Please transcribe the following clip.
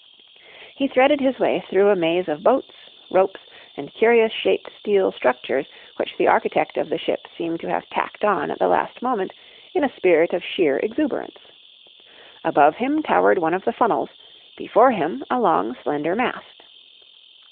He threaded his way through a maze of boats, ropes, and curious shaped steel structures which the architect of the ship seemed to have tacked on at the last moment in a spirit of sheer exuberance. Above him towered one of the funnels, before him a long, slender mast.